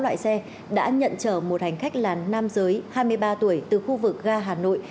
loại xe đã nhận chở một hành khách là nam giới hai mươi ba tuổi từ khu vực ga hà nội